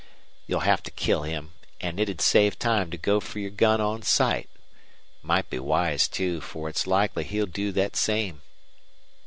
You'll have to kill him, an' it 'd save time to go fer your gun on sight. Might be wise, too, fer it's likely he'll do thet same."